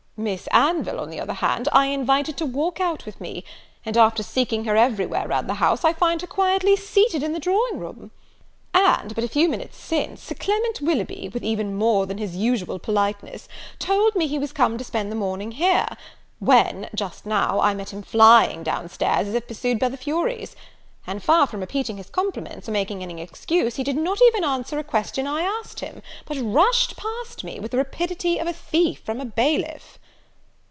Miss Anville, on the other hand, I invited to walk out with me; and, after seeking her every where round the house, I find her quietly seated in the drawing room. And, but a few minutes since, Sir Clement Willoughby, with even more than his usual politeness, told me he was come to spend the morning here; when, just now, I met him flying down stairs, as if pursued by the Furies; and far from repeating his compliments, or making any excuse, he did not even answer a question I asked him, but rushed past me, with the rapidity of a thief from a bailiff!"